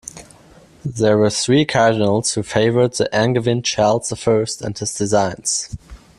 There were three cardinals who favored the Angevin Charles the First and his designs.